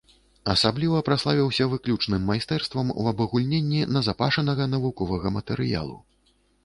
Асабліва праславіўся выключным майстэрствам у абагульненні назапашанага навуковага матэрыялу.